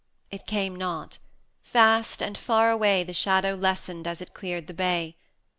it came not; fast and far away The shadow lessened as it cleared the bay.